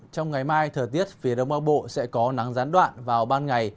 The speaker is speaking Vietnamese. trong ngày mai thời tiết phía đông bắc bộ sẽ có nắng gián đoạn vào ban ngày